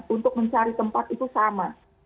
untuk mencari tempat itu sama